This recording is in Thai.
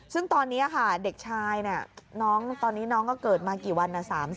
ซึ่งตอนนี้ค่ะเด็กชายตอนนี้น้องก็เกิดมากี่วันนะ